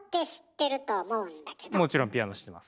もちろんピアノ知ってます。